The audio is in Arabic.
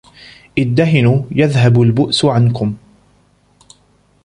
ادَّهِنُوا يَذْهَبْ الْبُؤْسُ عَنْكُمْ